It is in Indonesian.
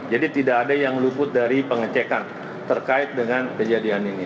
jadi tidak ada yang luput dari pengecekan terkait dengan kejadian ini